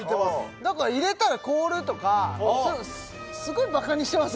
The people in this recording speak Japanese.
だから入れたら凍るとかすごいバカにしてます？